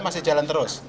masih jalan terus